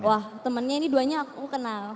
wah temennya ini duanya aku kenal